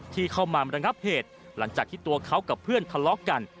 ที่เข้ามาระงับเหตุหลังจากที่ตัวเขากับเพื่อนทะเลาะกัน